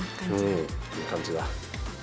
うんいい感じだ。